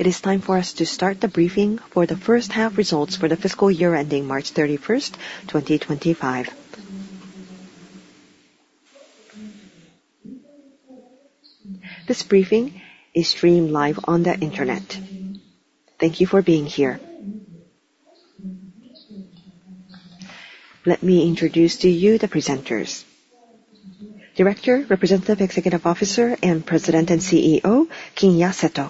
It is time for us to start the briefing for the first half results for the fiscal year ending March 31st, 2025. This briefing is streamed live on the internet. Thank you for being here. Let me introduce to you the presenters: Director, Representative Executive Officer, President and CEO, Kinya Seto.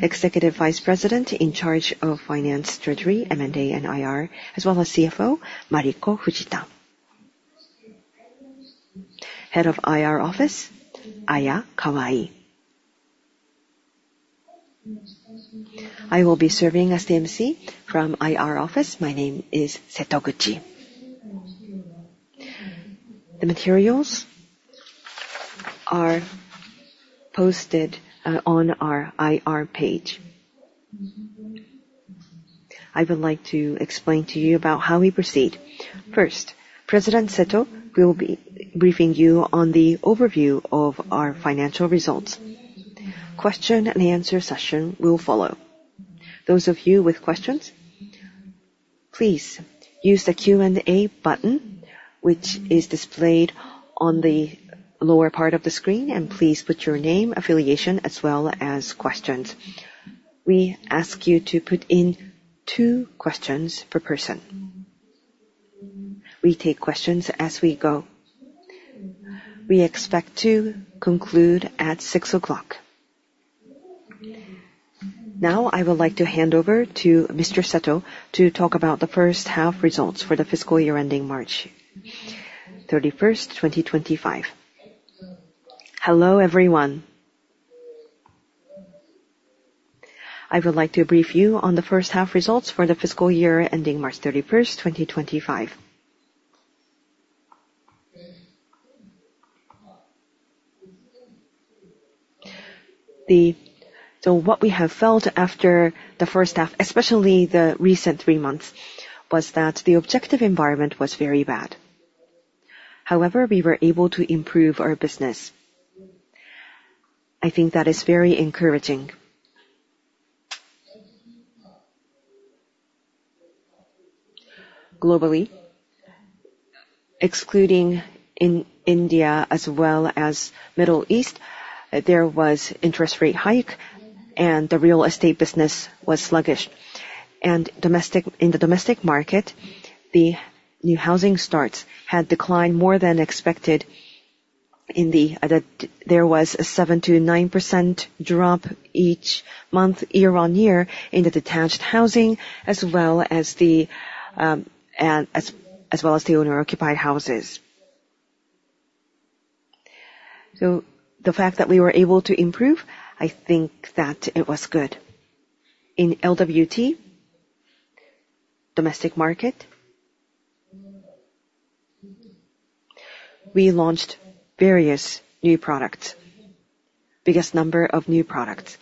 Executive Vice President in Charge of Finance, Treasury, M&A, and IR, as well as CFO, Mariko Fujita. Head of IR Office, Aya Kawai. I will be serving as the emcee from IR Office. My name is Kayo Setoguchi. The materials are posted on our IR page. I would like to explain to you about how we proceed. First, President Seto will be briefing you on the overview of our financial results. Question-and-answer session will follow. Those of you with questions, please use the Q&A button, which is displayed on the lower part of the screen, and please put your name, affiliation, as well as questions. We ask you to put in two questions per person. We take questions as we go. We expect to conclude at 6:00 P.M. Now, I would like to hand over to Mr. Seto to talk about the first half results for the fiscal year ending March 31st, 2025. Hello, everyone. I would like to brief you on the first half results for the fiscal year ending March 31st, 2025. So what we have felt after the first half, especially the recent three months, was that the external environment was very bad. However, we were able to improve our business. I think that is very encouraging. Globally, excluding India as well as the Middle East, there was an interest rate hike, and the real estate business was sluggish, and in the domestic market, the new housing starts had declined more than expected. There was a 7%-9% drop each month, year on year, in the detached housing, as well as the owner-occupied houses, so the fact that we were able to improve, I think that it was good. In LWT, domestic market, we launched various new products, the biggest number of new products.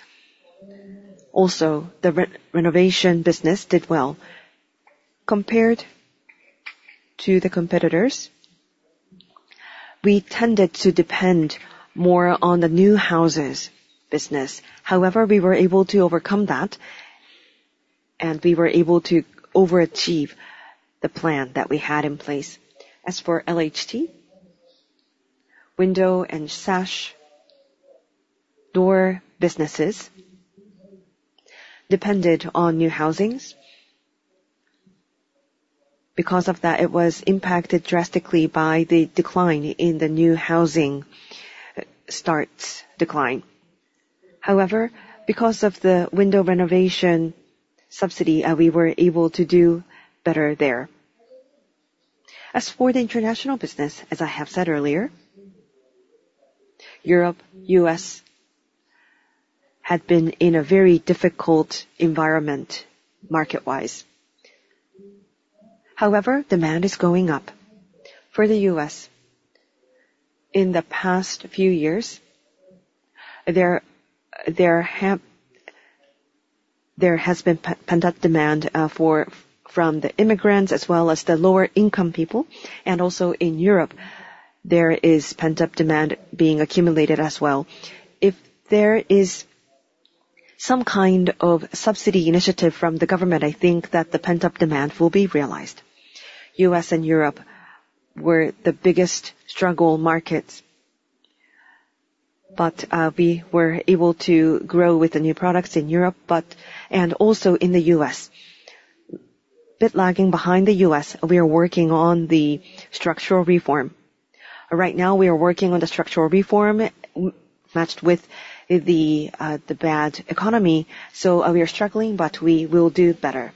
Also, the renovation business did well. Compared to the competitors, we tended to depend more on the new houses business. However, we were able to overcome that, and we were able to overachieve the plan that we had in place. As for LHT, window and sash door businesses depended on new housings. Because of that, it was impacted drastically by the decline in the new housing starts. However, because of the window renovation subsidy, we were able to do better there. As for the international business, as I have said earlier, Europe, US had been in a very difficult environment market-wise. However, demand is going up. For the US, in the past few years, there has been pent-up demand from the immigrants as well as the lower-income people. Also in Europe, there is pent-up demand being accumulated as well. If there is some kind of subsidy initiative from the government, I think that the pent-up demand will be realized. US and Europe were the biggest struggling markets, but we were able to grow with the new products in Europe and also in the US. But lagging behind the US, we are working on the structural reform. Right now, we are working on the structural reform matched with the bad economy. So we are struggling, but we will do better.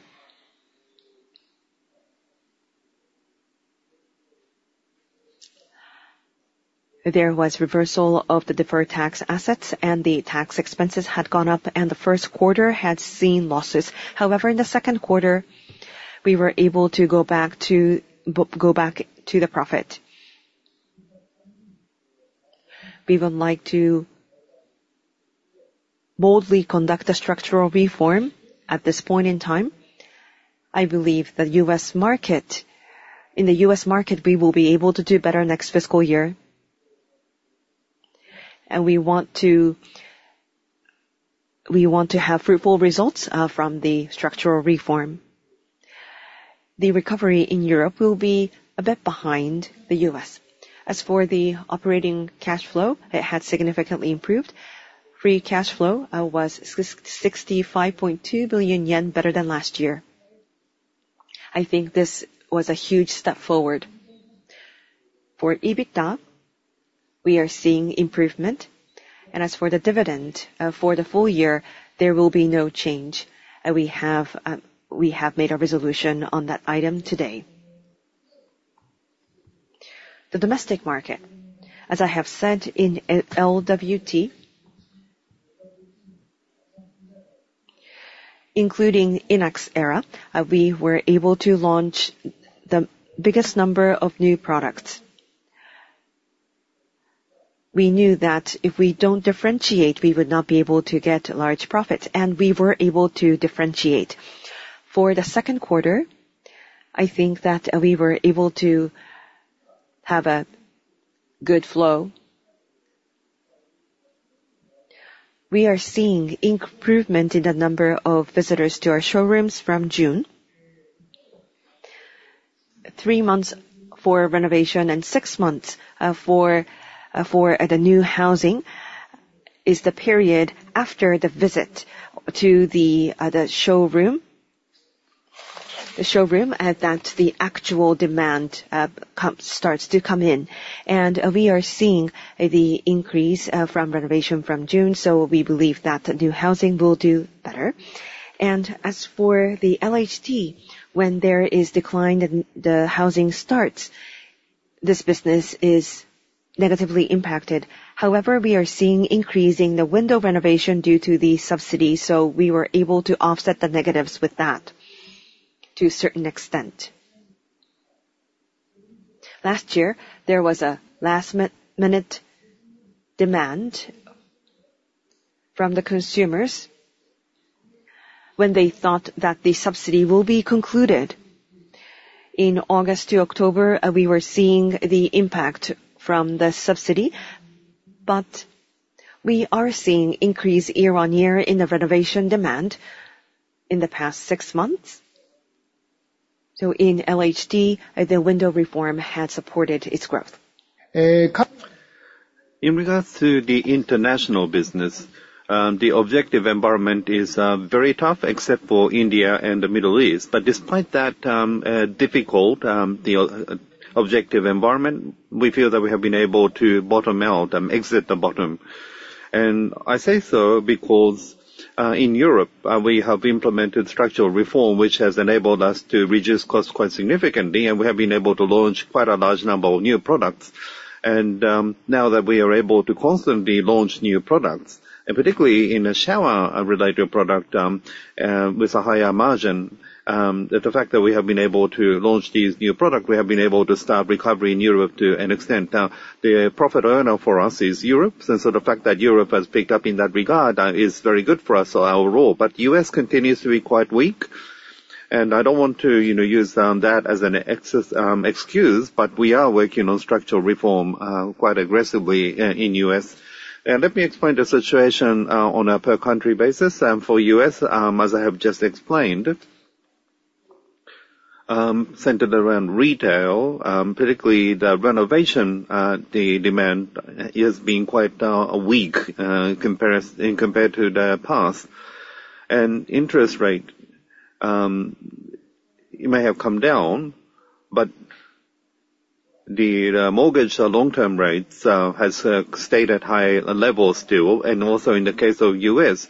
There was reversal of the deferred tax assets, and the tax expenses had gone up, and the Q1 had seen losses. However, in the Q2, we were able to go back to the profit. We would like to boldly conduct a structural reform at this point in time. I believe that in the U.S. market, we will be able to do better next fiscal year, and we want to have fruitful results from the structural reform. The recovery in Europe will be a bit behind the U.S. As for the operating cash flow, it had significantly improved. Free cash flow was 65.2 billion yen, better than last year. I think this was a huge step forward. For EBITDA, we are seeing improvement. As for the dividend for the full year, there will be no change. We have made a resolution on that item today. The domestic market, as I have said in LWT, including INAX area, we were able to launch the biggest number of new products. We knew that if we don't differentiate, we would not be able to get large profits, and we were able to differentiate. For the Q2, I think that we were able to have a good flow. We are seeing improvement in the number of visitors to our showrooms from June. Three months for renovation and six months for the new housing is the period after the visit to the showroom that the actual demand starts to come in. We are seeing the increase from renovation from June, so we believe that new housing will do better. As for the LHT, when there is a decline in the housing starts, this business is negatively impacted. However, we are seeing an increase in the window renovation due to the subsidy, so we were able to offset the negatives with that to a certain extent. Last year, there was a last-minute demand from the consumers when they thought that the subsidy will be concluded. In August to October, we were seeing the impact from the subsidy, but we are seeing an increase year on year in the renovation demand in the past six months. In LHT, the window renovation had supported its growth. In regards to the international business, the objective environment is very tough, except for India and the Middle East. But despite that difficult objective environment, we feel that we have been able to bottom out and exit the bottom. And I say so because in Europe, we have implemented structural reform, which has enabled us to reduce costs quite significantly, and we have been able to launch quite a large number of new products. And now that we are able to constantly launch new products, and particularly in a shower-related product with a higher margin, the fact that we have been able to launch these new products, we have been able to start recovery in Europe to an extent. Now, the profit owner for us is Europe, and so the fact that Europe has picked up in that regard is very good for us or our role. But the U.S. continues to be quite weak, and I don't want to use that as an excuse, but we are working on structural reform quite aggressively in the U.S. And let me explain the situation on a per-country basis. For the U.S., as I have just explained, centered around retail, particularly the renovation demand has been quite weak compared to the past. And interest rates may have come down, but the mortgage long-term rates have stayed at high levels still. And also in the case of the U.S.,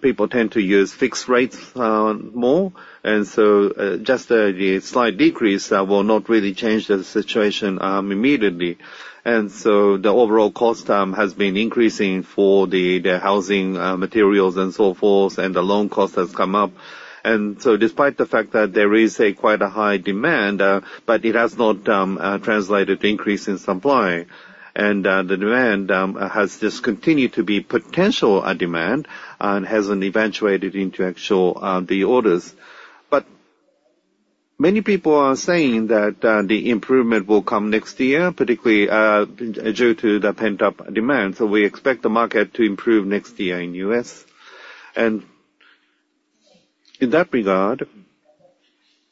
people tend to use fixed rates more, and so just a slight decrease will not really change the situation immediately. And so the overall cost has been increasing for the housing materials and so forth, and the loan cost has come up. Despite the fact that there is quite a high demand, it has not translated to an increase in supply. The demand has just continued to be potential demand and hasn't eventuated into actual orders. Many people are saying that the improvement will come next year, particularly due to the pent-up demand. We expect the market to improve next year in the U.S. In that regard,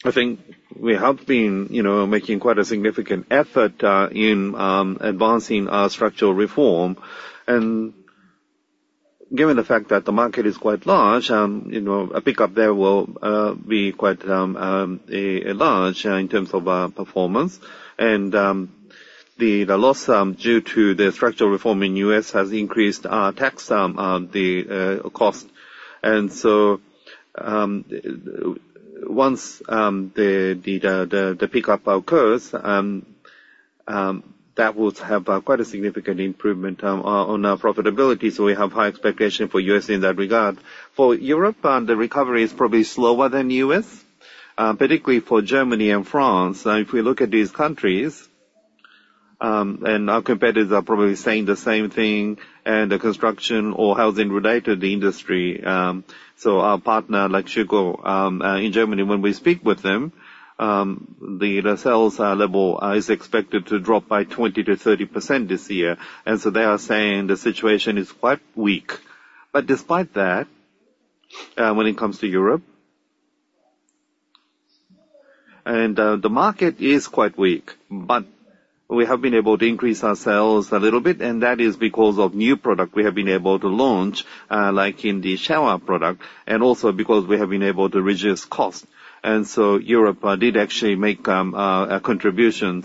we have been making quite a significant effort in advancing our structural reform. Given the fact that the market is quite large, a pickup there will be quite large in terms of performance. The loss due to the structural reform in the U.S. has increased our tax cost. Once the pickup occurs, that will have quite a significant improvement on our profitability. We have high expectations for the U.S. in that regard. For Europe, the recovery is probably slower than the U.S., particularly for Germany and France. If we look at these countries, our competitors are probably saying the same thing in the construction or housing-related industry, so our partner, like Schüco, in Germany, when we speak with them, the sales level is expected to drop by 20%-30% this year, and so they are saying the situation is quite weak. But despite that, when it comes to Europe, the market is quite weak, but we have been able to increase our sales a little bit, and that is because of new products we have been able to launch, like in the shower product, and also because we have been able to reduce costs, and so Europe did actually make a contribution.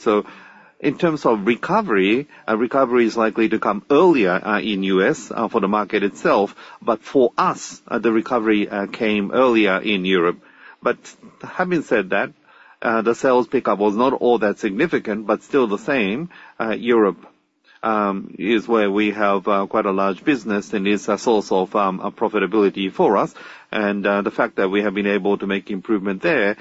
In terms of recovery, a recovery is likely to come earlier in the US for the market itself, but for us, the recovery came earlier in Europe. Having said that, the sales pickup was not all that significant, but still the same. Europe is where we have quite a large business, and it's a source of profitability for us. The fact that we have been able to make improvement there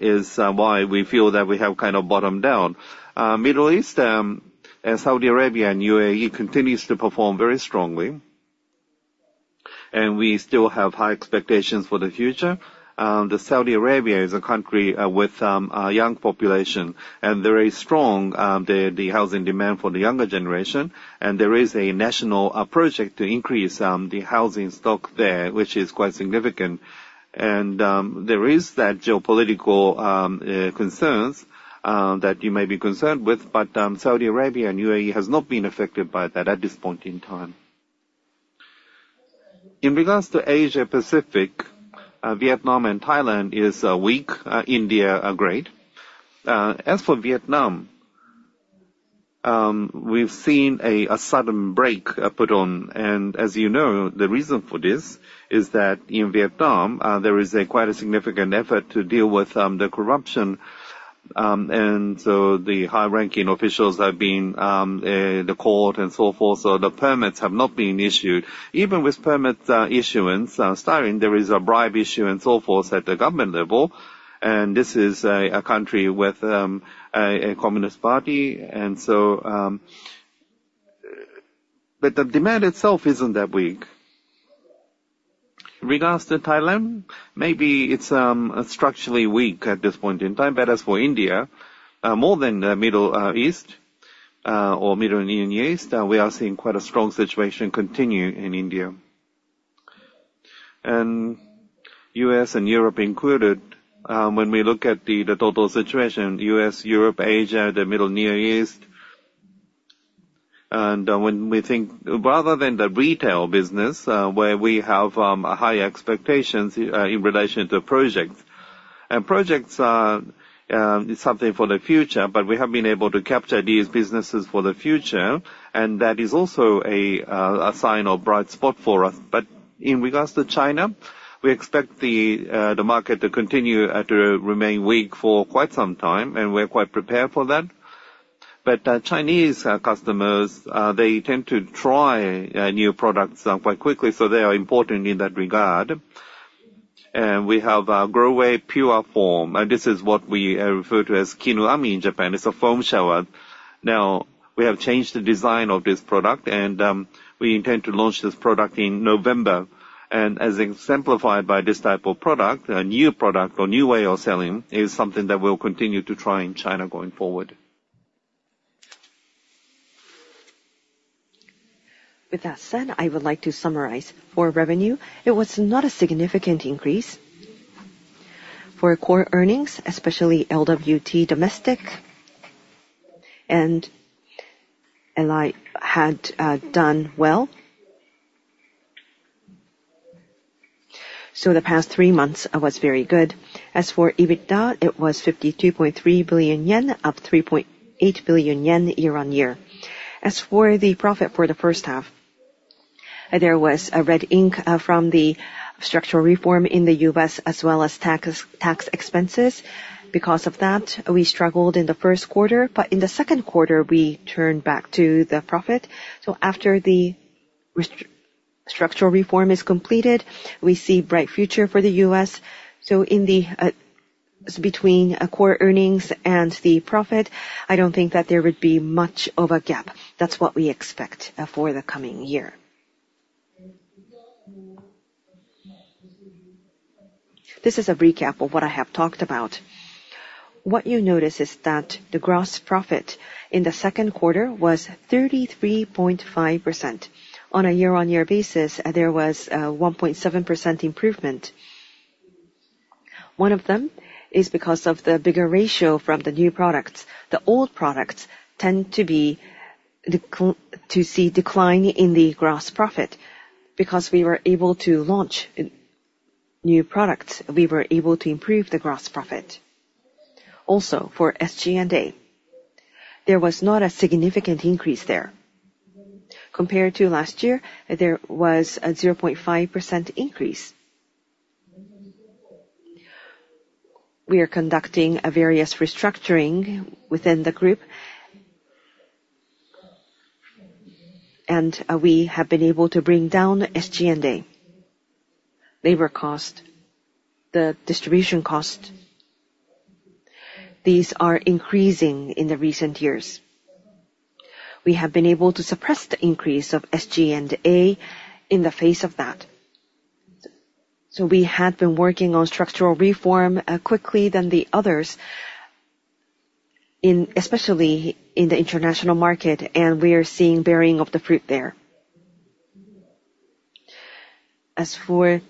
is why we feel that we have kind of bottomed down. Middle East, Saudi Arabia, and UAE continue to perform very strongly, and we still have high expectations for the future. Saudi Arabia is a country with a young population and very strong housing demand for the younger generation. There is a national project to increase the housing stock there, which is quite significant. There are geopolitical concerns that you may be concerned with, but Saudi Arabia and UAE have not been affected by that at this point in time. In regards to Asia-Pacific, Vietnam and Thailand are weak, India is great. As for Vietnam, we've seen a sudden break put on. And as you know, the reason for this is that in Vietnam, there is quite a significant effort to deal with the corruption. And so the high-ranking officials have been in the court and so forth, so the permits have not been issued. Even with permit issuance, there is a bribe issue and so forth at the government level. And this is a country with a communist party. But the demand itself isn't that weak. In regards to Thailand, maybe it's structurally weak at this point in time. But as for India, more than the Middle East or Middle and Near East, we are seeing quite a strong situation continue in India. And US and Europe included, when we look at TOTO situation, US, Europe, Asia, the Middle and Near East. And when we think rather than the retail business, where we have high expectations in relation to projects. And projects are something for the future, but we have been able to capture these businesses for the future, and that is also a sign of a bright spot for us. But in regards to China, we expect the market to continue to remain weak for quite some time, and we're quite prepared for that. But Chinese customers, they tend to try new products quite quickly, so they are important in that regard. And we have GROHE Pure Foam. This is what we refer to as KINUAMI in Japan. It's a foam shower. Now, we have changed the design of this product, and we intend to launch this product in November. And as exemplified by this type of product, a new product or new way of selling is something that we'll continue to try in China going forward. With that said, I would like to summarize. For revenue, it was not a significant increase. For core earnings, especially LWT domestic, and LHT had done well. So the past three months was very good. As for EBITDA, it was 52.3 billion yen, up 3.8 billion yen year on year. As for the profit for the first half, there was a red ink from the structural reform in the U.S. as well as tax expenses. Because of that, we struggled in the Q1, but in the Q2, we turned back to the profit. So after the structural reform is completed, we see a bright future for the U.S. So between core earnings and the profit, I don't think that there would be much of a gap. That's what we expect for the coming year. This is a recap of what I have talked about. What you notice is that the gross profit in the Q1 was 33.5%. On a year-on-year basis, there was a 1.7% improvement. One of them is because of the bigger ratio from the new products. The old products tend to see a decline in the gross profit because we were able to launch new products. We were able to improve the gross profit. Also, for SG&A, there was not a significant increase there. Compared to last year, there was a 0.5% increase. We are conducting various restructuring within the group, and we have been able to bring down SG&A labor costs, the distribution costs. These are increasing in the recent years. We have been able to suppress the increase of SG&A in the face of that. So we had been working on Structural Reform more quickly than the others, especially in the international market, and we are seeing the bearing of the fruit there. As for the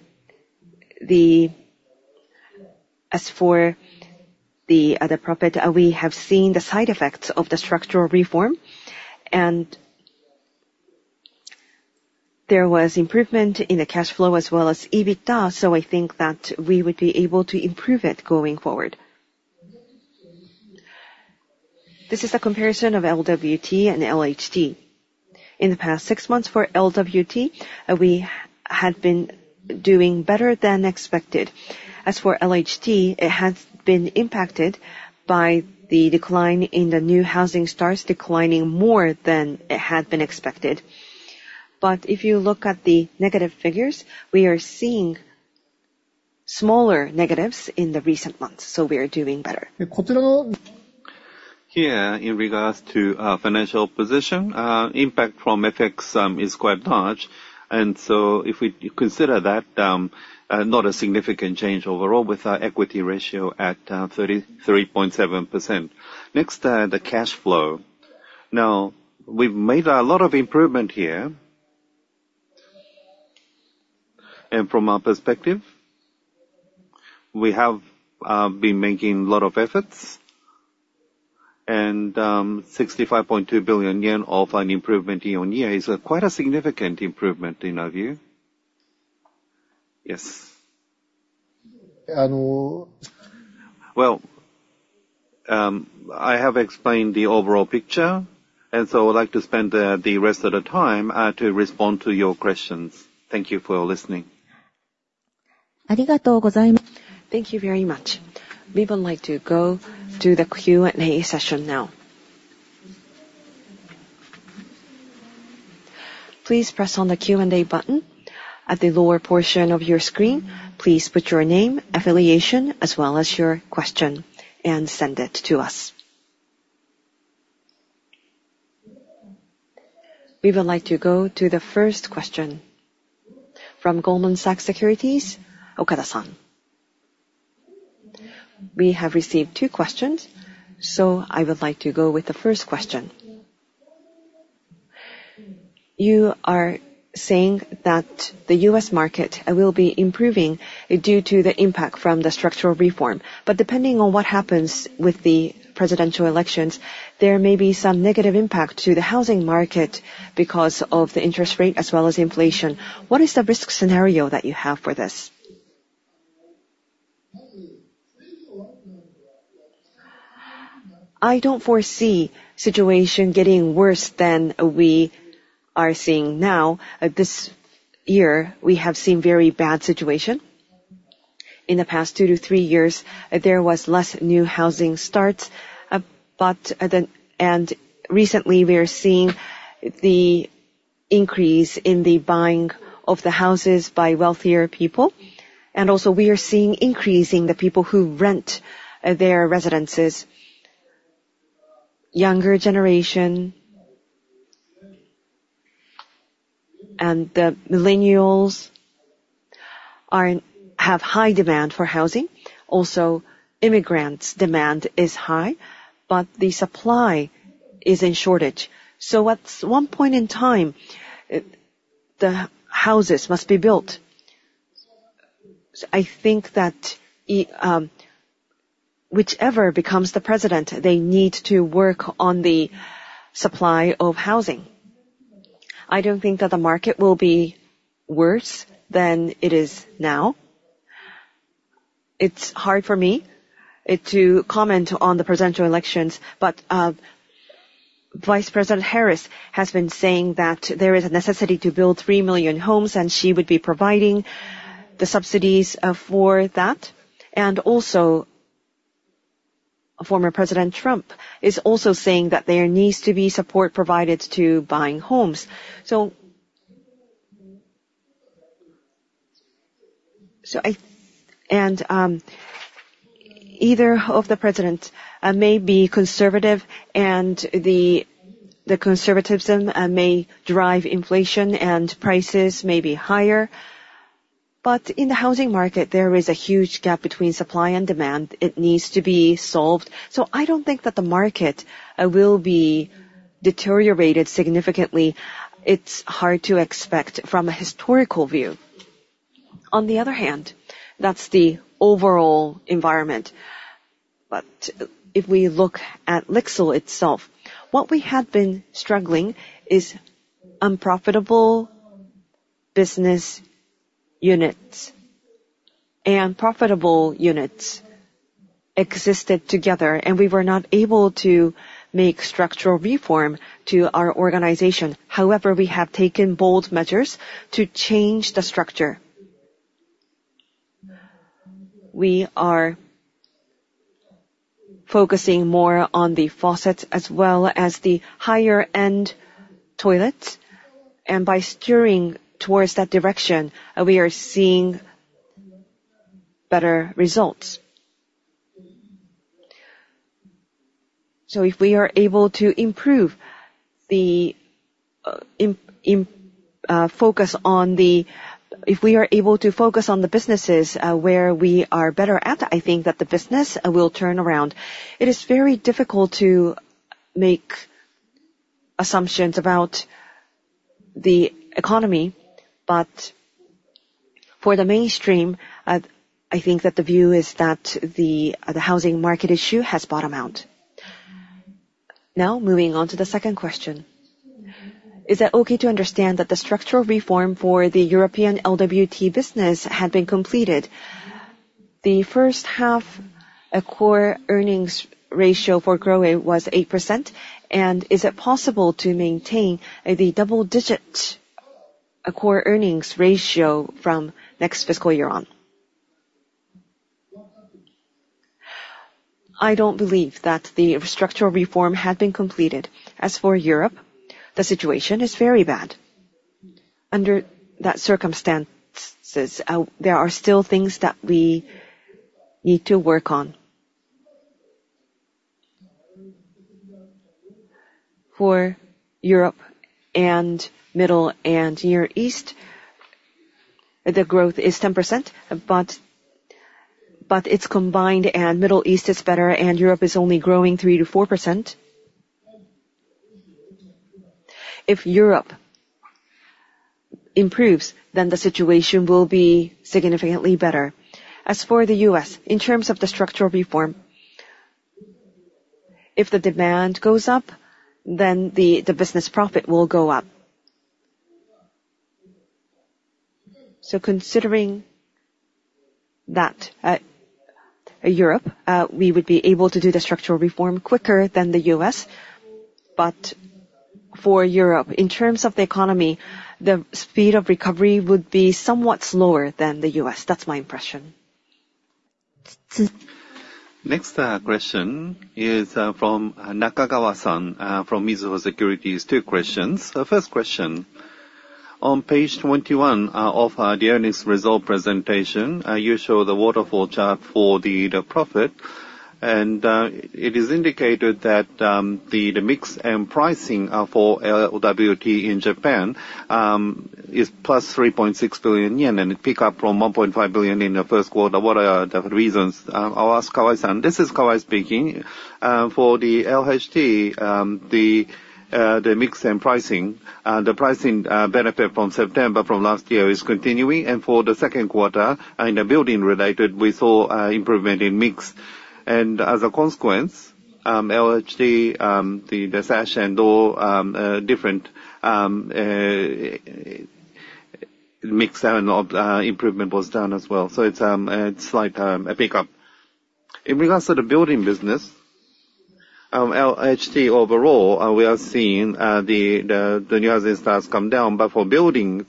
profit, we have seen the side effects of the Structural Reform, and there was improvement in the cash flow as well as EBITDA, so I think that we would be able to improve it going forward. This is a comparison of LWT and LHT. In the past six months, for LWT, we had been doing better than expected. As for LHT, it has been impacted by the decline in the new housing starts more than it had been expected. But if you look at the negative figures, we are seeing smaller negatives in the recent months, so we are doing better. Here, in regards to financial position, the impact from FX is quite large, and so if we consider that, not a significant change overall with our equity ratio at 33.7%. Next, the cash flow. Now, we've made a lot of improvement here, and from our perspective, we have been making a lot of efforts, and 65.2 billion yen of an improvement year on year is quite a significant improvement in our view. Yes, well, I have explained the overall picture, and so I would like to spend the rest of the time to respond to your questions. Thank you for listening. Thank you very much. We would like to go to the Q&A session now. Please press on the Q&A button at the lower portion of your screen. Please put your name, affiliation, as well as your question, and send it to us. We would like to go to the first question from Goldman Sachs Securities, Okada-san. We have received two questions, so I would like to go with the first question. You are saying that the US market will be improving due to the impact from the structural reform. But depending on what happens with the presidential elections, there may be some negative impact to the housing market because of the interest rate as well as inflation. What is the risk scenario that you have for this? I don't foresee the situation getting worse than we are seeing now. This year, we have seen a very bad situation. In the past two to three years, there was less new housing starts. And recently, we are seeing the increase in the buying of the houses by wealthier people. And also, we are seeing an increase in the people who rent their residences. The younger generation and the millennials have high demand for housing. Also, immigrants' demand is high, but the supply is in shortage. So at one point in time, the houses must be built. I think that whichever becomes the president, they need to work on the supply of housing. I don't think that the market will be worse than it is now. It's hard for me to comment on the presidential elections, but Vice President Harris has been saying that there is a necessity to build 3 million homes, and she would be providing the subsidies for that. And also, former President Trump is also saying that there needs to be support provided to buying homes. And either of the presidents may be conservative, and the conservatism may drive inflation, and prices may be higher. But in the housing market, there is a huge gap between supply and demand. It needs to be solved. So I don't think that the market will be deteriorated significantly. It's hard to expect from a historical view. On the other hand, that's the overall environment. But if we look at LIXIL itself, what we had been struggling with is unprofitable business units. And profitable units existed together, and we were not able to make structural reform to our organization. However, we have taken bold measures to change the structure. We are focusing more on the faucets as well as the higher-end toilets. By steering towards that direction, we are seeing better results. If we are able to focus on the businesses where we are better at, I think that the business will turn around. It is very difficult to make assumptions about the economy, but for the mainstream, I think that the view is that the housing market issue has bottomed out. Now, moving on to the second question. Is it okay to understand that the structural reform for the European LWT business had been completed? The first half core earnings ratio for GROHE was 8%. And is it possible to maintain the double-digit core earnings ratio from next fiscal year on? I don't believe that the structural reform had been completed. As for Europe, the situation is very bad. Under that circumstances, there are still things that we need to work on. For Europe and Middle and Near East, the growth is 10%, but it's combined and Middle East is better, and Europe is only growing 3%-4%. If Europe improves, then the situation will be significantly better. As for the U.S., in terms of the structural reform, if the demand goes up, then the business profit will go up. So considering that, Europe, we would be able to do the structural reform quicker than the U.S. But for Europe, in terms of the economy, the speed of recovery would be somewhat slower than the U.S. That's my impression. Next question is from Nakagawa-san from Mizuho Securities, two questions. First question. On page 21 of the earnings result presentation, you show the waterfall chart for the profit, and it is indicated that the mix and pricing for LWT in Japan is plus 3.6 billion yen, and it picked up from 1.5 billion in the Q1. What are the reasons? I'll ask Kawai-san. This is Kawai speaking. For the LHT, the mix and pricing, the pricing benefit from September from last year is continuing, and for the Q2, in the building related, we saw improvement in mix. And as a consequence, LHT, the sash and all different mix and improvement was done as well. So it's a slight pickup. In regards to the building business, LHT overall, we are seeing the new housing starts come down, but for buildings,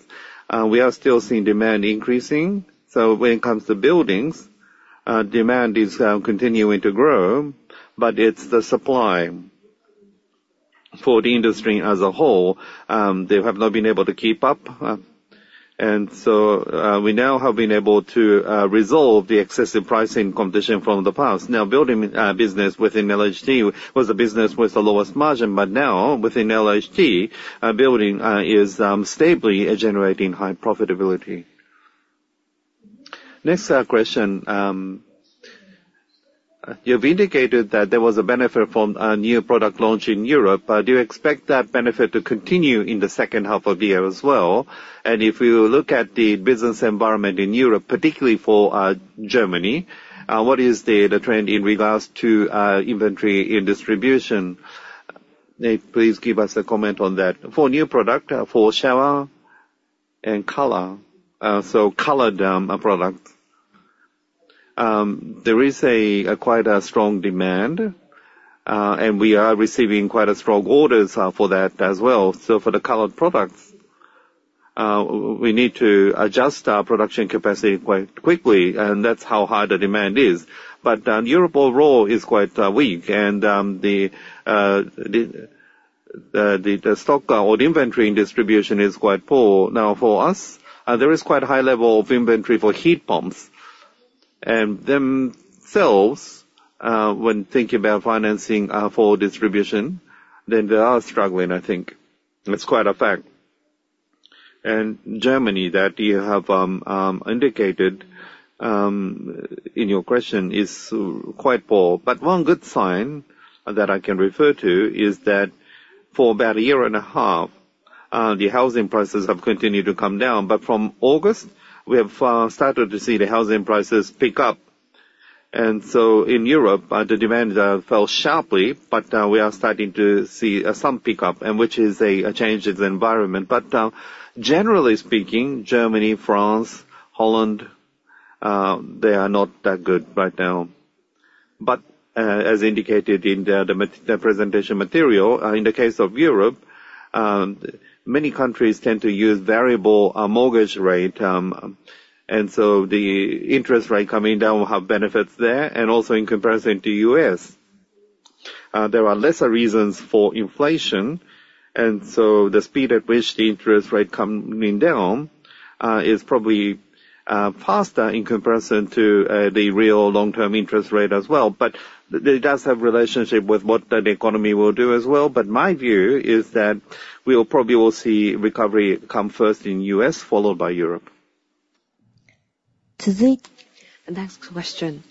we are still seeing demand increasing. So when it comes to buildings, demand is continuing to grow, but it's the supply for the industry as a whole. They have not been able to keep up, and so we now have been able to resolve the excessive pricing competition from the past. Now, building business within LHT was a business with the lowest margin, but now within LHT, building is stably generating high profitability. Next question. You've indicated that there was a benefit from a new product launch in Europe. Do you expect that benefit to continue in the second half of the year as well? And if we look at the business environment in Europe, particularly for Germany, what is the trend in regards to inventory and distribution? Please give us a comment on that. For new product, for shower and color, so colored products, there is quite a strong demand, and we are receiving quite strong orders for that as well, so for the colored products, we need to adjust our production capacity quite quickly, and that's how high the demand is, but Europe overall is quite weak, and the stock or the inventory in distribution is quite poor. Now, for us, there is quite a high level of inventory for heat pumps, and themselves, when thinking about financing for distribution, then they are struggling, I think, it's quite a fact, and Germany that you have indicated in your question is quite poor, but one good sign that I can refer to is that for about a year and a half, the housing prices have continued to come down, but from August, we have started to see the housing prices pick up. And so in Europe, the demand fell sharply, but we are starting to see some pickup, which is a change in the environment. But generally speaking, Germany, France, Holland, they are not that good right now. But as indicated in the presentation material, in the case of Europe, many countries tend to use variable mortgage rate. And so the interest rate coming down will have benefits there. And also in comparison to the US, there are lesser reasons for inflation. And so the speed at which the interest rate is coming down is probably faster in comparison to the real long-term interest rate as well. But it does have a relationship with what the economy will do as well. But my view is that we will probably see recovery come first in the US, followed by Europe. Next question.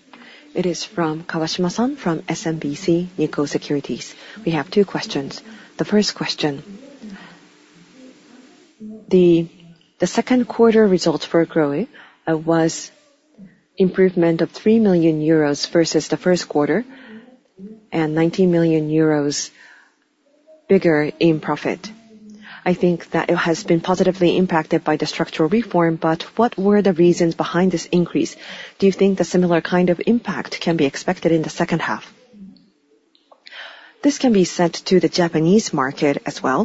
It is from Kawashima-san from SMBC Nikko Securities. We have two questions. The first question. The Q2 results for GROHE was an improvement of three million euros versus the Q1 and 19 million euros bigger in profit. I think that it has been positively impacted by the structural reform, but what were the reasons behind this increase? Do you think a similar kind of impact can be expected in the second half? This can be said to the Japanese market as well,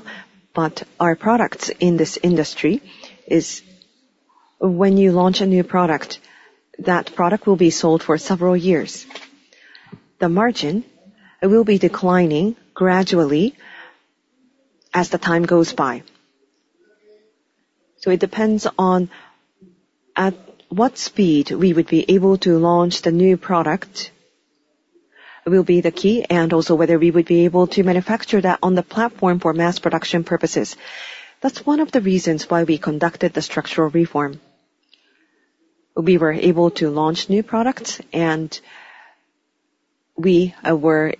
but our products in this industry is when you launch a new product, that product will be sold for several years. The margin will be declining gradually as the time goes by. So, it depends on at what speed we would be able to launch the new product. That will be the key, and also whether we would be able to manufacture that on the platform for mass production purposes. That's one of the reasons why we conducted the Structural Reform. We were able to launch new products, and we were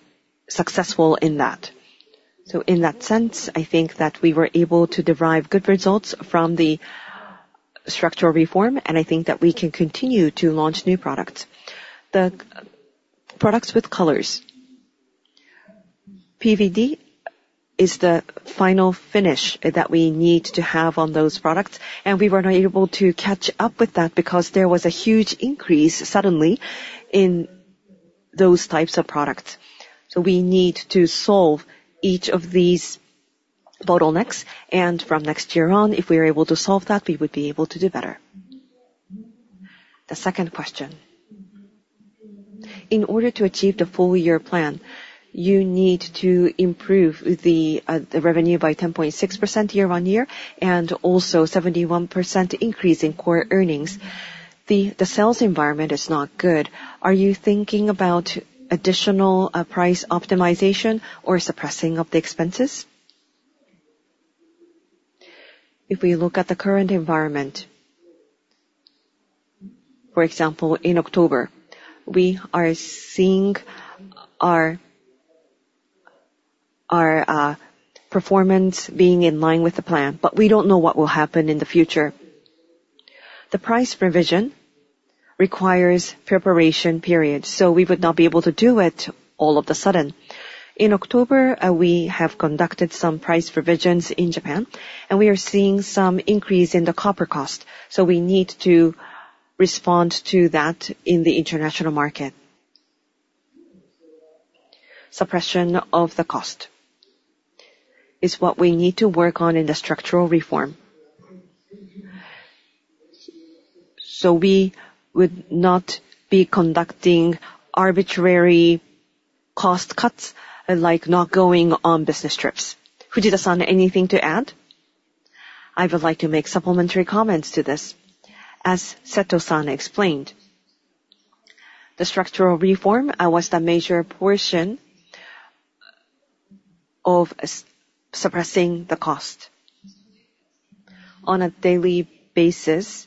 successful in that. So in that sense, I think that we were able to derive good results from the Structural Reform, and I think that we can continue to launch new products. The products with colors. PVD is the final finish that we need to have on those products, and we were not able to catch up with that because there was a huge increase suddenly in those types of products. We need to solve each of these bottlenecks, and from next year on, if we are able to solve that, we would be able to do better. The second question. In order to achieve the full year plan, you need to improve the revenue by 10.6% year on year and also a 71% increase in core earnings. The sales environment is not good. Are you thinking about additional price optimization or suppressing of the expenses? If we look at the current environment, for example, in October, we are seeing our performance being in line with the plan, but we don't know what will happen in the future. The price revision requires preparation periods, so we would not be able to do it all of a sudden. In October, we have conducted some price revisions in Japan, and we are seeing some increase in the copper cost. So we need to respond to that in the international market. Suppression of the cost is what we need to work on in the structural reform. So we would not be conducting arbitrary cost cuts like not going on business trips. Fujita-san, anything to add? I would like to make supplementary comments to this. As Seto-san explained, the structural reform was the major portion of suppressing the cost. On a daily basis,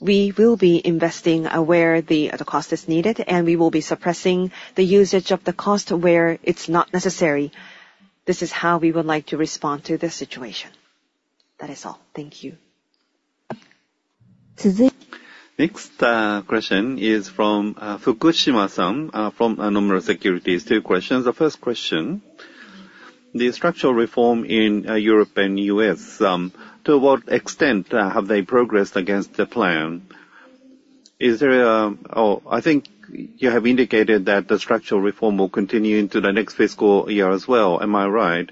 we will be investing where the cost is needed, and we will be suppressing the usage of the cost where it's not necessary. This is how we would like to respond to the situation. That is all. Thank you. Next question is from Fukushima-san from Nomura Securities. Two questions. The first question. The structural reform in Europe and the U.S., to what extent have they progressed against the plan? I think you have indicated that the structural reform will continue into the next fiscal year as well. Am I right?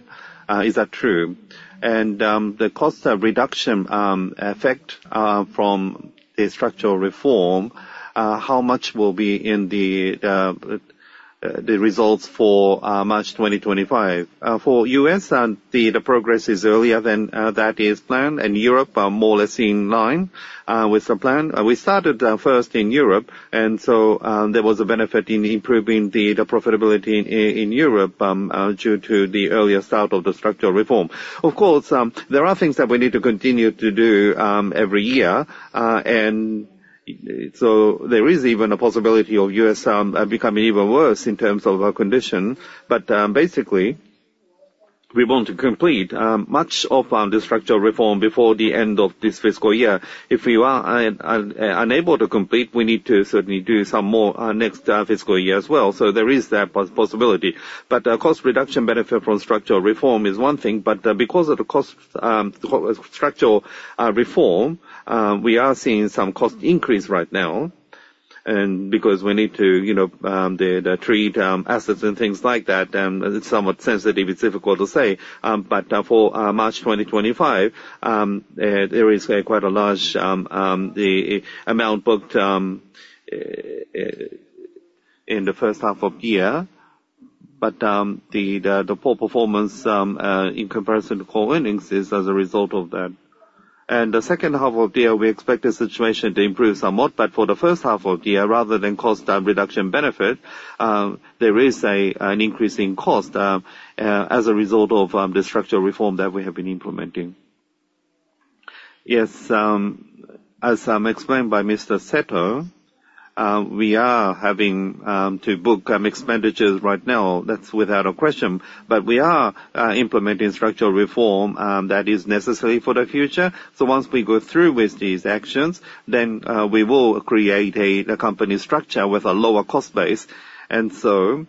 Is that true? And the cost reduction effect from the structural reform, how much will be in the results for March 2025? For U.S., the progress is earlier than that is planned, and Europe more or less in line with the plan. We started first in Europe, and so there was a benefit in improving the profitability in Europe due to the earlier start of the structural reform. Of course, there are things that we need to continue to do every year, and so there is even a possibility of U.S. becoming even worse in terms of our condition. But basically, we want to complete much of the structural reform before the end of this fiscal year. If we are unable to complete, we need to certainly do some more next fiscal year as well. So there is that possibility. But cost reduction benefit from structural reform is one thing, but because of the structural reform, we are seeing some cost increase right now because we need to treat assets and things like that. It's somewhat sensitive. It's difficult to say. But for March 2025, there is quite a large amount booked in the first half of the year, but the poor performance in comparison to core earnings is as a result of that. And the second half of the year, we expect the situation to improve somewhat, but for the first half of the year, rather than cost reduction benefit, there is an increase in cost as a result of the structural reform that we have been implementing. Yes. As explained by Mr. Seto, we are having to book expenditures right now. That's without a question. But we are implementing structural reform that is necessary for the future. So once we go through with these actions, then we will create a company structure with a lower cost base. And so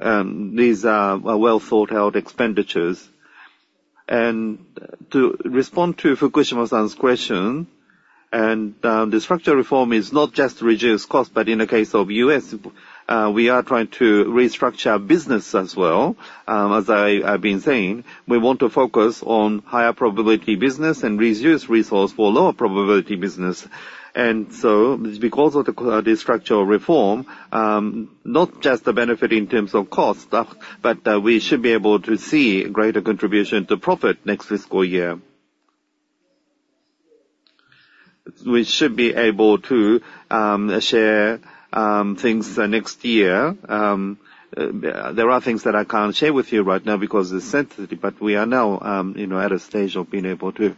these are well-thought-out expenditures. And to respond to Fukushima-san's question, the structural reform is not just to reduce cost, but in the case of the U.S., we are trying to restructure business as well. As I've been saying, we want to focus on higher probability business and reduce resource for lower probability business. And so because of the structural reform, not just the benefit in terms of cost, but we should be able to see greater contribution to profit next fiscal year. We should be able to share things next year. There are things that I can't share with you right now because of the sensitivity, but we are now at a stage of being able to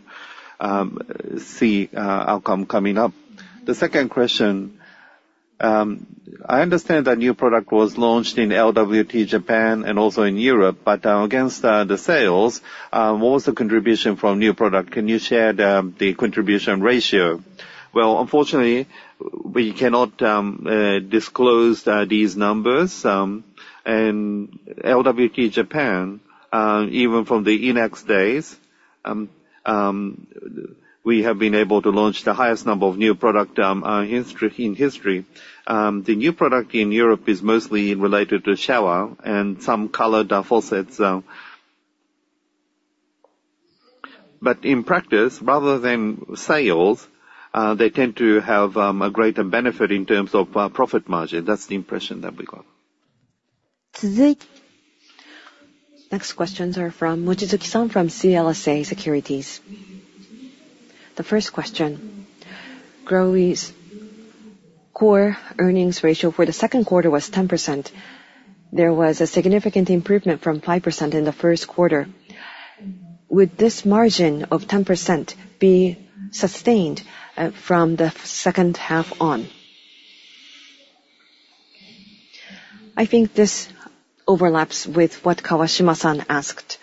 see outcome coming up. The second question. I understand that new product was launched in LWT Japan and also in Europe, but against the sales, what was the contribution from new product? Can you share the contribution ratio? Well, unfortunately, we cannot disclose these numbers. And LWT Japan, even from the INAX days, we have been able to launch the highest number of new product in history. The new product in Europe is mostly related to shower and some colored faucets. But in practice, rather than sales, they tend to have a greater benefit in terms of profit margin. That's the impression that we got. Next questions are from Mochizuki-san from CLSA Securities. The first question. GROHE's core earnings ratio for the Q2 was 10%. There was a significant improvement from 5% in the Q1. Would this margin of 10% be sustained from the second half on? I think this overlaps with what Kawashima-san asked.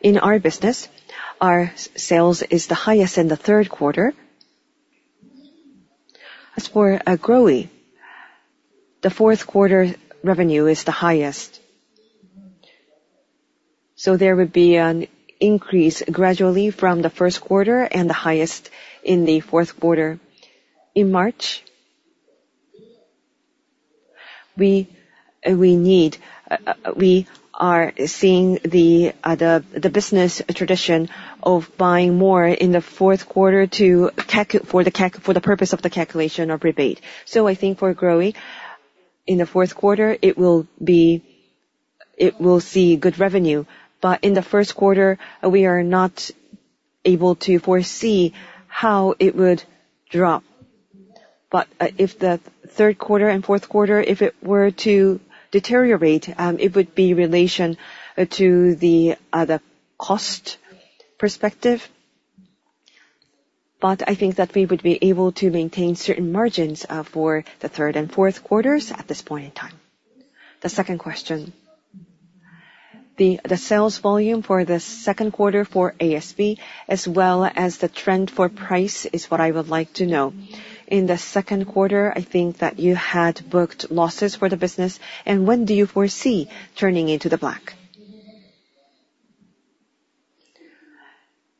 In our business, our sales is the highest in the Q3. As for GROHE, the Q4 revenue is the highest. So there would be an increase gradually from the Q1 and the highest in the Q4. In March, we are seeing the business tradition of buying more in the Q4 for the purpose of the calculation of rebate. So I think for GROHE, in the Q4, it will see good revenue. But in the Q1, we are not able to foresee how it would drop. But if the Q3 and Q4 were to deteriorate, it would be in relation to the cost perspective. But I think that we would be able to maintain certain margins for the Q3 and Q4 at this point in time. The second question. The sales volume for the Q2 for ASB, as well as the trend for price, is what I would like to know. In the Q2, I think that you had booked losses for the business. And when do you foresee turning into the black?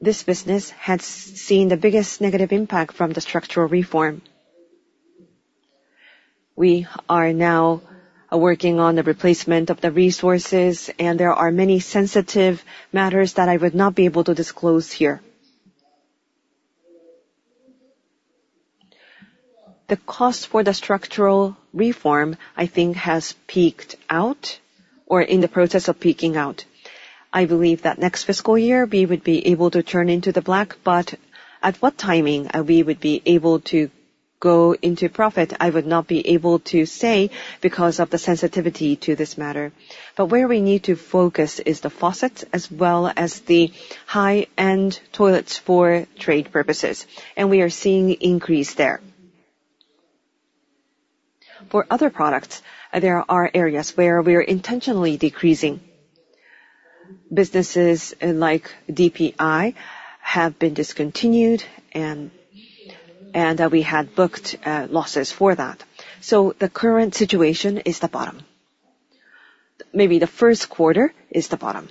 This business had seen the biggest negative impact from the structural reform. We are now working on the replacement of the resources, and there are many sensitive matters that I would not be able to disclose here. The cost for the structural reform, I think, has peaked out or in the process of peaking out. I believe that next fiscal year, we would be able to turn into the black, but at what timing we would be able to go into profit, I would not be able to say because of the sensitivity to this matter, but where we need to focus is the faucets as well as the high-end toilets for trade purposes, and we are seeing an increase there. For other products, there are areas where we are intentionally decreasing. Businesses like DPI have been discontinued, and we had booked losses for that, so the current situation is the bottom. Maybe the Q1 is the bottom.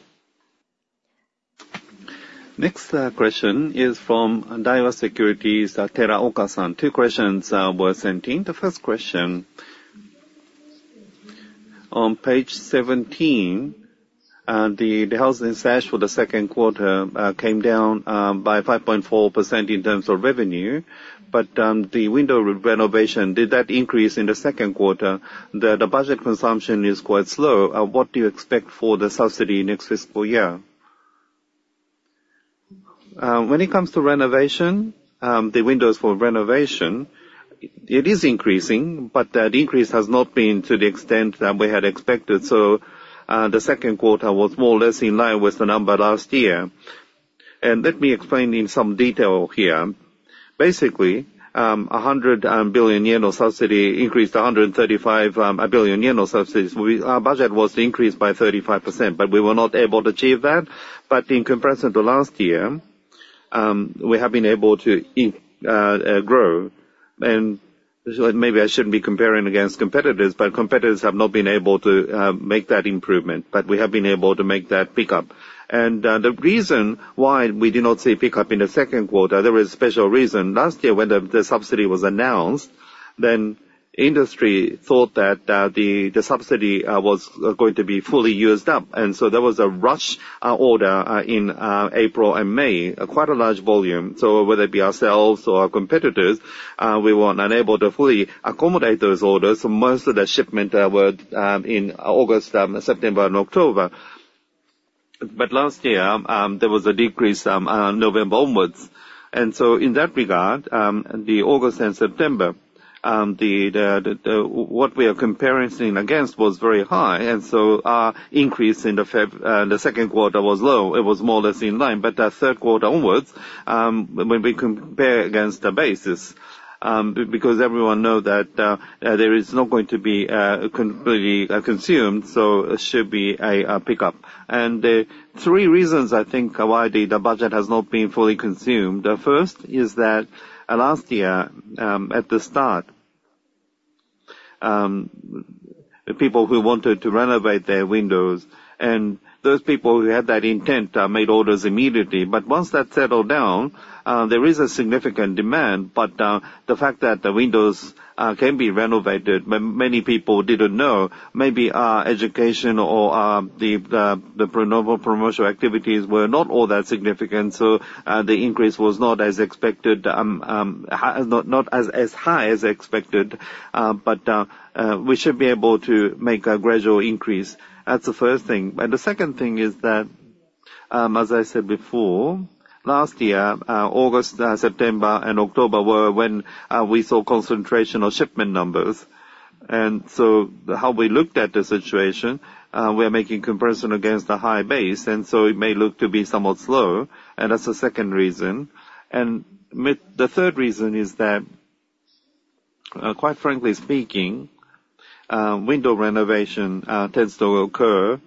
Next question is from Daiwa Securities, Teraoka-san. Two questions were sent in. The first question: On page 17, the housing starts for the Q2 came down by 5.4% in terms of revenue, but the window renovation, did that increase in the Q2? The budget consumption is quite slow. What do you expect for the subsidy next fiscal year? When it comes to renovation, the windows for renovation, it is increasing, but the increase has not been to the extent that we had expected, so the Q2 was more or less in line with the number last year, and let me explain in some detail here. Basically, 100 billion yen of subsidy increased to 135 billion yen of subsidies. Our budget was increased by 35%, but we were not able to achieve that, but in comparison to last year, we have been able to grow. And maybe I shouldn't be comparing against competitors, but competitors have not been able to make that improvement. But we have been able to make that pickup. And the reason why we did not see a pickup in the Q2, there was a special reason. Last year, when the subsidy was announced, then industry thought that the subsidy was going to be fully used up. And so there was a rush order in April and May, quite a large volume. So whether it be ourselves or our competitors, we were unable to fully accommodate those orders. So most of the shipment were in August, September, and October. But last year, there was a decrease November onwards. And so in that regard, the August and September, what we are comparing against was very high. And so our increase in the Q2 was low. It was more or less in line, but the Q3 onwards, when we compare against the basis, because everyone knows that there is not going to be completely consumed, so it should be a pickup, and three reasons, I think, why the budget has not been fully consumed. The first is that last year, at the start, people who wanted to renovate their windows, and those people who had that intent made orders immediately, but once that settled down, there is a significant demand, but the fact that the windows can be renovated, many people didn't know. Maybe our education or the promotional activities were not all that significant, so the increase was not as expected, not as high as expected, but we should be able to make a gradual increase. That's the first thing. The second thing is that, as I said before, last year, August, September, and October were when we saw concentration of shipment numbers. So how we looked at the situation, we are making comparison against the high base. So it may look to be somewhat slow. That's the second reason. The third reason is that, quite frankly speaking, window renovation tends to occur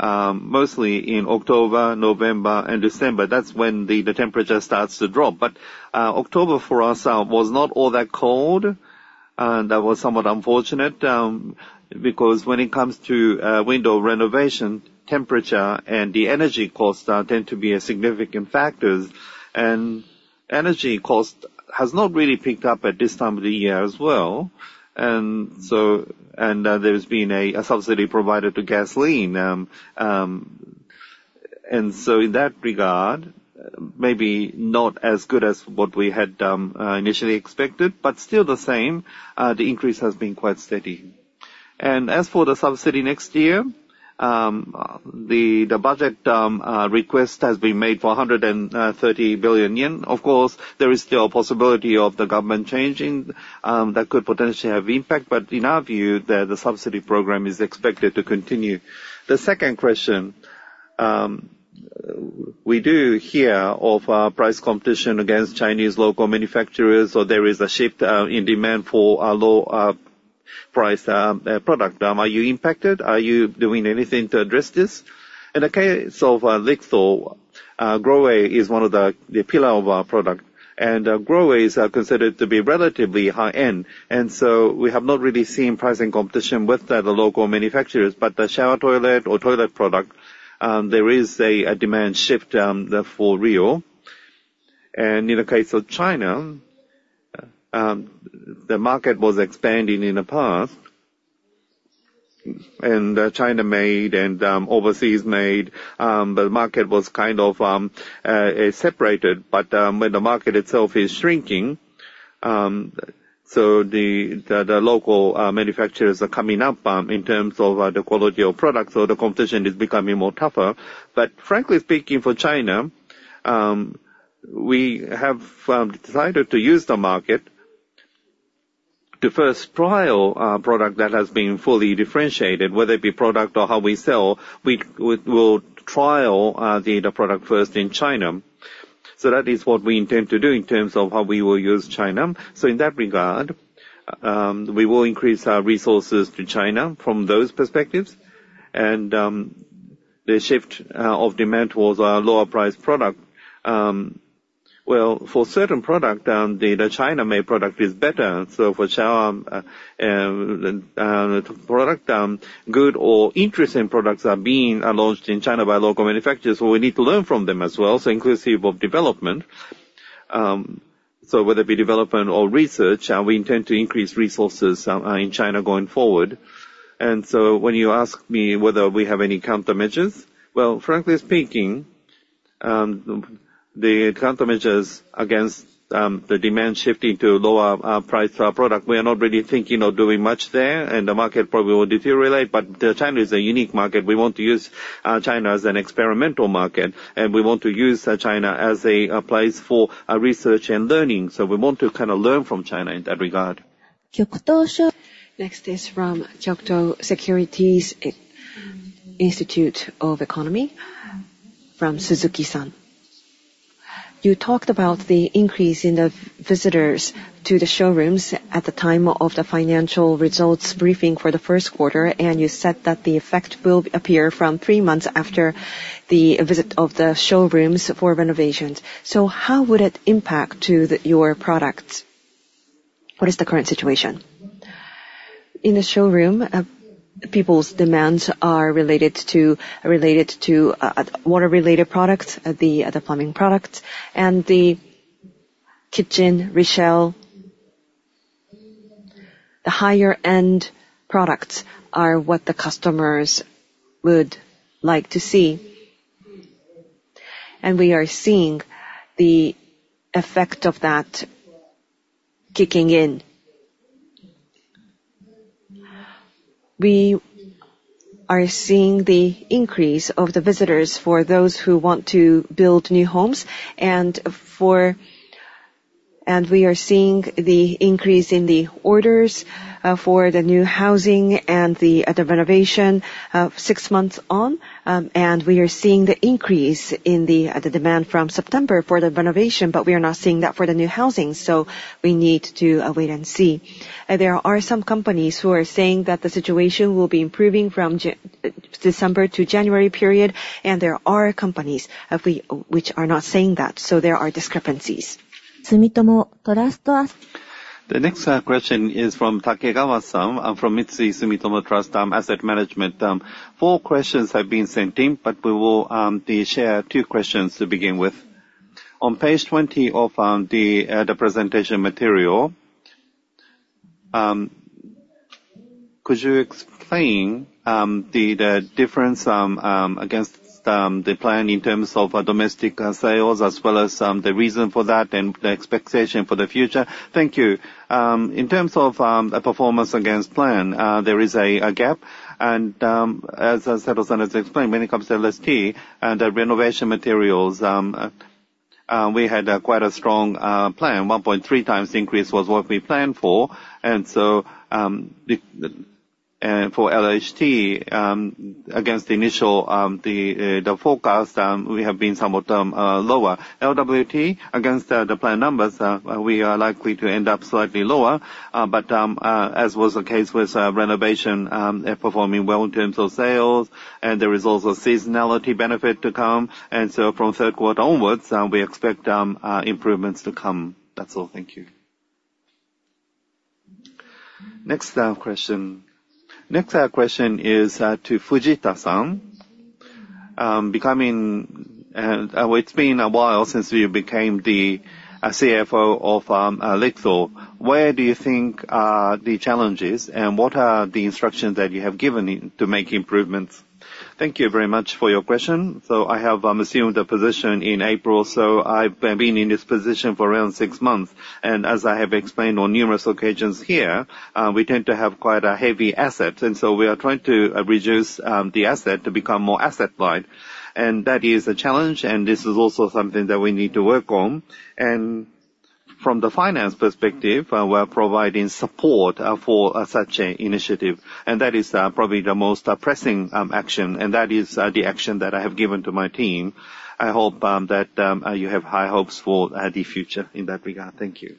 mostly in October, November, and December. That's when the temperature starts to drop. But October for us was not all that cold. That was somewhat unfortunate because when it comes to window renovation, temperature and the energy costs tend to be significant factors. Energy cost has not really picked up at this time of the year as well. There's been a subsidy provided to gasoline. And so in that regard, maybe not as good as what we had initially expected, but still the same, the increase has been quite steady. And as for the subsidy next year, the budget request has been made for 130 billion yen. Of course, there is still a possibility of the government changing that could potentially have impact. But in our view, the subsidy program is expected to continue. The second question we do hear of price competition against Chinese local manufacturers, or there is a shift in demand for low-price product. Are you impacted? Are you doing anything to address this? In the case of LIXIL, GROHE is one of the pillars of our product. And GROHE is considered to be relatively high-end. And so we have not really seen pricing competition with the local manufacturers. But the shower toilet or toilet product, there is a demand shift for real. And in the case of China, the market was expanding in the past. And China-made and overseas-made. The market was kind of separated. But when the market itself is shrinking, so the local manufacturers are coming up in terms of the quality of product. So the competition is becoming more tougher. But frankly speaking, for China, we have decided to use the market to first trial a product that has been fully differentiated, whether it be product or how we sell. We will trial the product first in China. So that is what we intend to do in terms of how we will use China. So in that regard, we will increase our resources to China from those perspectives. And the shift of demand towards a lower-priced product. Well, for certain products, the China-made product is better. So for shower product, good or interesting products are being launched in China by local manufacturers. So we need to learn from them as well, so inclusive of development. So whether it be development or research, we intend to increase resources in China going forward. And so when you ask me whether we have any countermeasures, well, frankly speaking, the countermeasures against the demand shifting to lower price for our product, we are not really thinking of doing much there. And the market probably will deteriorate. But China is a unique market. We want to use China as an experimental market. And we want to use China as a place for research and learning. So we want to kind of learn from China in that regard. Kyokuto Securities. Next is from Kyokuto Securities Institute of Economy from Suzuki-san. You talked about the increase in the visitors to the showrooms at the time of the financial results briefing for the Q1. You said that the effect will appear from three months after the visit of the showrooms for renovations. So how would it impact your products? What is the current situation? In the showroom, people's demands are related to water-related products, the plumbing products, and the kitchen Richelle. The higher-end products are what the customers would like to see. We are seeing the effect of that kicking in. We are seeing the increase of the visitors for those who want to build new homes. We are seeing the increase in the orders for the new housing and the renovation six months on. And we are seeing the increase in the demand from September for the renovation, but we are not seeing that for the new housing. So we need to wait and see. There are some companies who are saying that the situation will be improving from December to January period. And there are companies which are not saying that. So there are discrepancies. Sumitomo Trust. The next question is from Takegawa-san from Mitsui Sumitomo Trust Asset Management. Four questions have been sent in, but we will share two questions to begin with. On page 20 of the presentation material, could you explain the difference against the plan in terms of domestic sales as well as the reason for that and the expectation for the future? Thank you. In terms of performance against plan, there is a gap and as Seto-san has explained, when it comes to LHT and renovation materials, we had quite a strong plan. 1.3 times increase was what we planned for and so for LHT, against the initial forecast, we have been somewhat lower. LWT, against the plan numbers, we are likely to end up slightly lower, but as was the case with renovation, performing well in terms of sales and there is also seasonality benefit to come. And so from Q3r onwards, we expect improvements to come. That's all. Thank you. Next question. Next question is to Fujita-san. It's been a while since you became the CFO of LIXIL. Where do you think the challenge is, and what are the instructions that you have given to make improvements? Thank you very much for your question. So I have assumed a position in April. So I've been in this position for around six months. And as I have explained on numerous occasions here, we tend to have quite an asset-heavy [structure]. And so we are trying to reduce the asset to become more asset-light. And that is a challenge. And this is also something that we need to work on. And from the finance perspective, we are providing support for such an initiative. And that is probably the most pressing action. That is the action that I have given to my team. I hope that you have high hopes for the future in that regard. Thank you.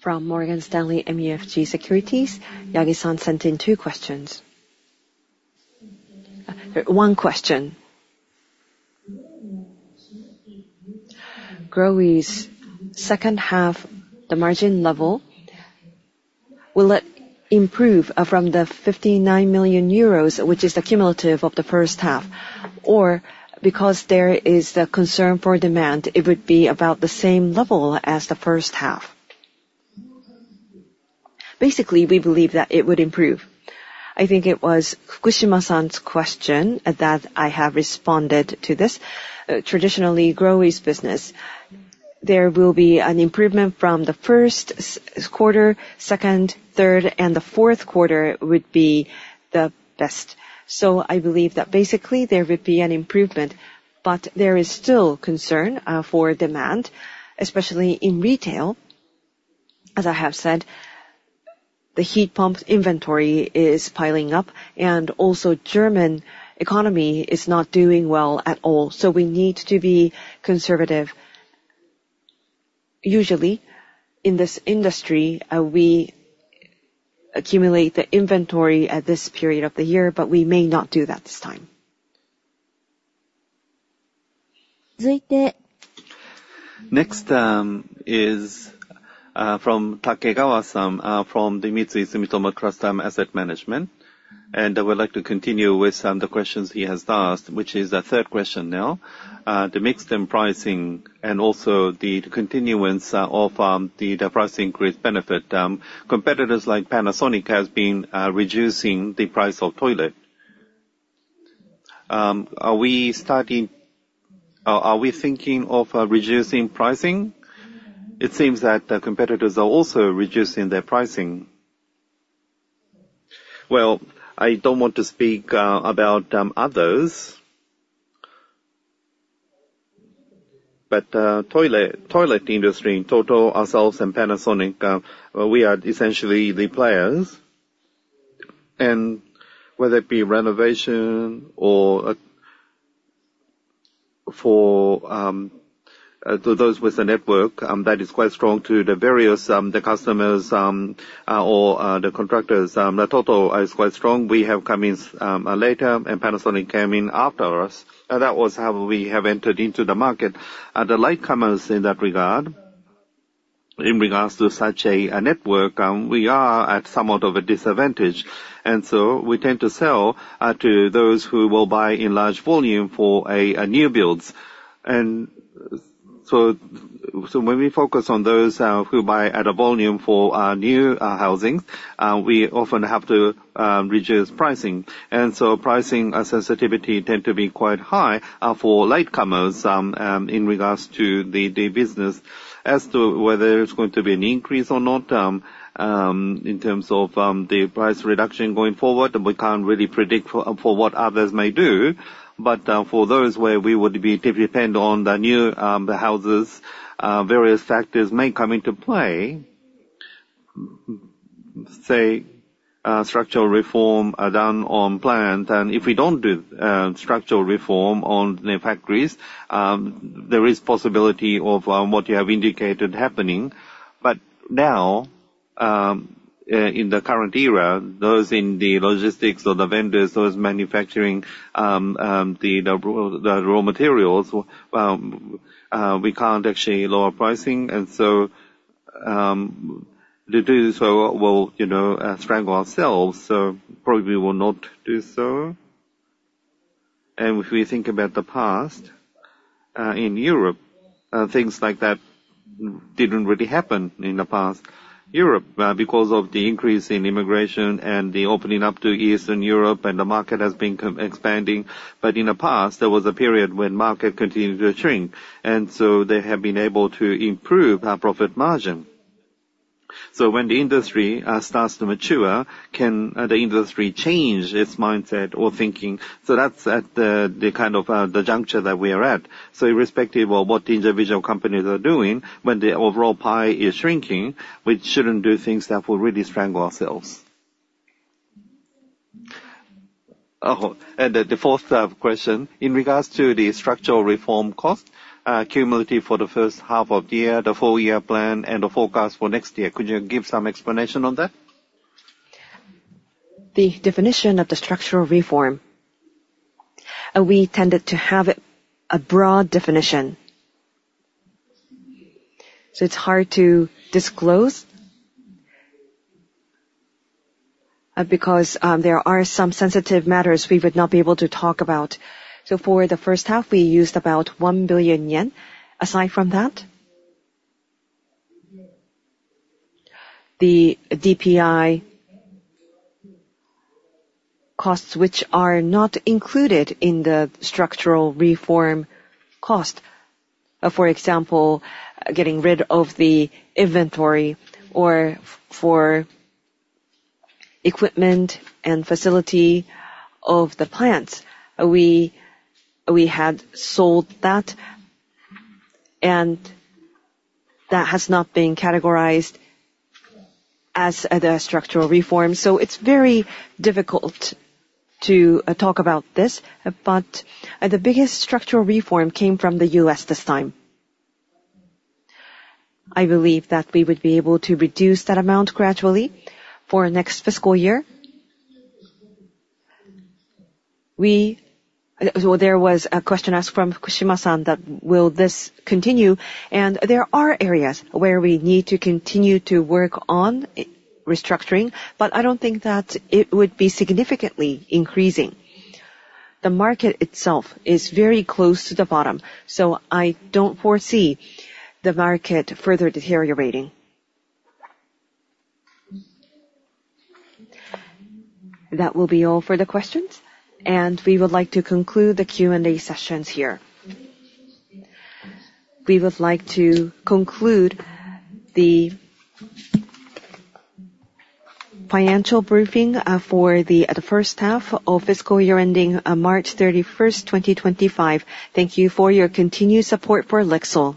From Morgan Stanley MUFG Securities, Yagi-san sent in two questions. One question. GROHE's second half, the margin level, will it improve from 59 million euros, which is the cumulative of the first half? Or because there is the concern for demand, it would be about the same level as the first half? Basically, we believe that it would improve. I think it was Fukushima-san's question that I have responded to this. Traditionally, GROHE's business, there will be an improvement from the Q1, second, third, and the Q4 would be the best, so I believe that basically there would be an improvement, but there is still concern for demand, especially in retail. As I have said, the heat pump inventory is piling up, and also, the German economy is not doing well at all, so we need to be conservative. Usually, in this industry, we accumulate the inventory at this period of the year, but we may not do that this time. 続いて。Next is from Takegawa-san from the Mitsui Sumitomo Trust Asset Management. And I would like to continue with the questions he has asked, which is the third question now. The mixed pricing and also the continuance of the price increase benefit. Competitors like Panasonic have been reducing the price of toilet. Are we thinking of reducing pricing? It seems that the competitors are also reducing their pricing. Well, I don't want to speak about others. But the toilet industry in total, ourselves and Panasonic, we are essentially the players. And whether it be renovation or for those with the network, that is quite strong to the various customers or the contractors. The total is quite strong. We have come in later, and Panasonic came in after us. That was how we have entered into the market. The latecomers in that regard, in regards to such a network, we are at somewhat of a disadvantage, and so we tend to sell to those who will buy in large volume for new builds, and so when we focus on those who buy at a volume for new housing, we often have to reduce pricing, and so pricing sensitivity tends to be quite high for latecomers in regards to the business. As to whether it's going to be an increase or not in terms of the price reduction going forward, we can't really predict for what others may do, but for those where we would be dependent on the new houses, various factors may come into play. Say structural reform done on plant, and if we don't do structural reform on the factories, there is possibility of what you have indicated happening. But now, in the current era, those in the logistics or the vendors, those manufacturing the raw materials, we can't actually lower pricing. And so to do so will strangle ourselves. So probably we will not do so. And if we think about the past in Europe, things like that didn't really happen in the past. Europe because of the increase in immigration and the opening up to Eastern Europe, and the market has been expanding. But in the past, there was a period when market continued to shrink. And so they have been able to improve our profit margin. So when the industry starts to mature, can the industry change its mindset or thinking? So that's at the kind of the juncture that we are at. So irrespective of what the individual companies are doing, when the overall pie is shrinking, we shouldn't do things that will really strangle ourselves. And the fourth question, in regards to the structural reform cost cumulative for the first half of the year, the full year plan, and the forecast for next year, could you give some explanation on that? The definition of the structural reform. We tended to have a broad definition. So it's hard to disclose because there are some sensitive matters we would not be able to talk about. So for the first half, we used about 1 billion yen. Aside from that, the DPI costs, which are not included in the structural reform cost, for example, getting rid of the inventory or for equipment and facility of the plants, we had sold that. And that has not been categorized as the structural reform. So it's very difficult to talk about this. But the biggest structural reform came from the U.S. this time. I believe that we would be able to reduce that amount gradually for next fiscal year. There was a question asked from Fukushima-san that will this continue. And there are areas where we need to continue to work on restructuring. But I don't think that it would be significantly increasing. The market itself is very close to the bottom. So I don't foresee the market further deteriorating. That will be all for the questions. And we would like to conclude the Q&A sessions here. We would like to conclude the financial briefing for the first half of fiscal year ending March 31st, 2025. Thank you for your continued support for LIXIL.